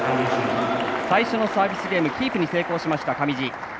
最初のサービスゲームキープに成功しました、上地。